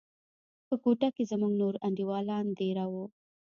په كوټه کښې زموږ نور انډيوالان دېره وو.